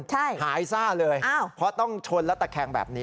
ใช่หายซ่าเลยเพราะต้องชนแล้วตะแคงแบบนี้